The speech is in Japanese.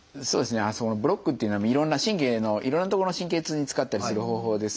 ブロックっていうのはいろんな神経のいろいろな所の神経痛に使ったりする方法です。